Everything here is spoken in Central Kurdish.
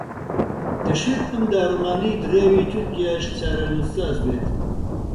دەشێت ئەم داڕمانەی دراوی تورکیاش چارەنووسساز بێت